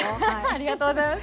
ありがとうございます。